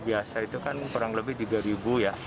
biasa itu kan kurang lebih tiga ribu ya